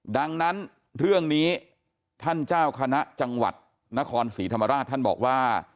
ดังนั้นเรื่องนี้ท่านเจ้าคณะจังหวัดนครศรีธรรมราชท่านบอกว่า